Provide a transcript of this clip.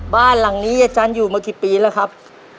บ้านหลังนี้อาจารย์อยู่มากี่ปีแล้วครับ